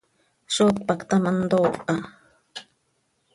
¿Zó tpacta ma ntooha?